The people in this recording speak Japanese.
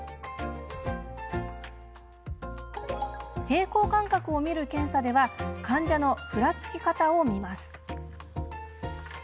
平衡感覚を見る検査では患者のふらつき方を見ます。